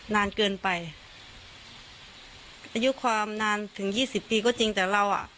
นานเกินไปอายุความนานถึงยี่สิบปีก็จริงแต่เราอ่ะ